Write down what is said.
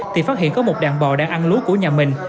thì phát hiện có một đàn bò đang ăn lúa của nhà mình